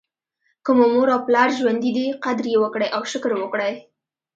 که مو مور او پلار ژوندي دي قدر یې وکړئ او شکر وکړئ.